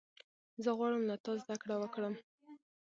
زه غواړم له تا زدهکړه وکړم.